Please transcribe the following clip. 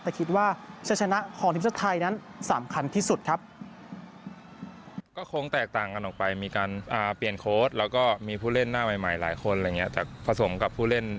แต่คิดว่าจะชนะของทีมชาติไทยนั้นสำคัญที่สุดครับ